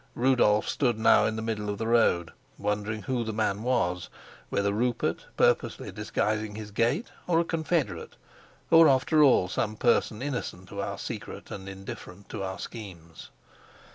Rudolf stood still now in the middle of the road, wondering who the man was: whether Rupert, purposely disguising his gait, or a confederate, or, after all, some person innocent of our secret and indifferent to our schemes.